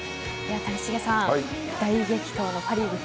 谷繁さん、大激闘のパ・リーグ